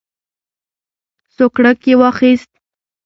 سوکړک یې واخیست.